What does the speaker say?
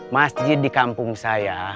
masjid di kampung saya